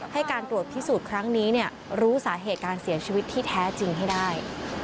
ให้การตรวจพิสูจน์ครั้งนี้รู้สาเหตุการเสียชีวิตที่แท้จริงให้ได้